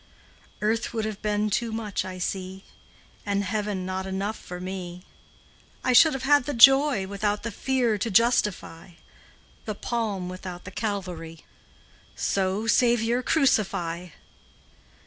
Earth would have been too much, I see, And heaven not enough for me; I should have had the joy Without the fear to justify, The palm without the Calvary; So, Saviour, crucify.